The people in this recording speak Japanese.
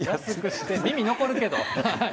耳残るけど。